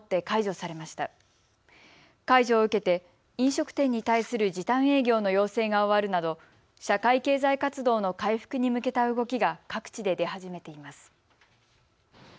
解除を受けて飲食店に対する時短営業の要請が終わるなど社会経済活動の回復に向けた動きが各地で出始めています。